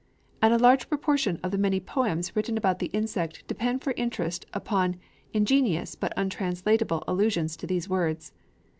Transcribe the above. and a large proportion of the many poems written about the insect depend for interest upon ingenious but untranslatable allusions to those words.